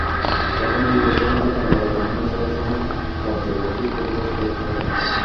তখন দুই পক্ষের মধ্যে পাল্টাপাল্টি হামলা চলার সময় কার্যালয়টি ক্ষতিগ্রস্ত হতে পারে।